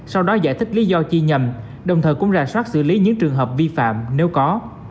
sau đó giải thích lý do chi nhầm đồng thời cũng ra soát xử lý những trường hợp vi phạm nếu có